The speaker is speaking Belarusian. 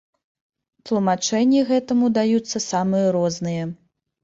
Тлумачэнні гэтаму даюцца самыя розныя.